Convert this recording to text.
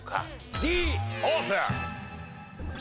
Ｄオープン！